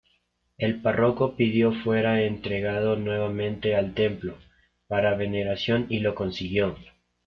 El Párroco pidió fuera entregado nuevamente al Templo, para veneración y lo consiguió.